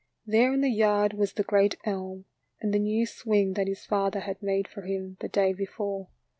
There in the yard was the great elm and the new swing that his father had made for him the day before.